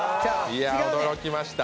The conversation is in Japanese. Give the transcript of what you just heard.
いや、驚きました。